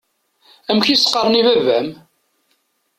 Amek i s-qqaṛen i baba-m?